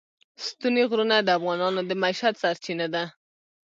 ستوني غرونه د افغانانو د معیشت سرچینه ده.